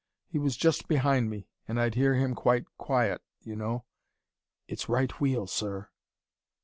He was just behind me, and I'd hear him, quite quiet you know, 'It's right wheel, sir.'